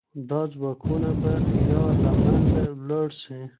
دا ځواکونه به يا له منځه ولاړ سي.